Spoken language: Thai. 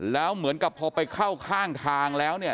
แล้วเหมือนกับพอไปเข้าข้างทางแล้วเนี่ย